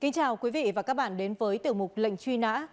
xin chào quý vị và các bạn đến với tiểu mục lệnh truy nã